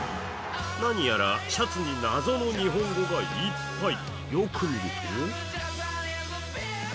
何やらシャツに謎の日本語がいっぱい。